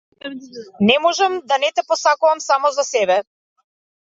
Не можам да не те посакувам само за себе!